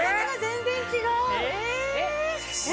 ・え！